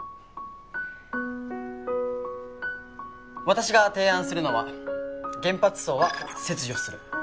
私が提案するのは原発巣は切除する。